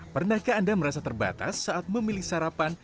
pernahkah anda merasa terbatas saat memilih sarapan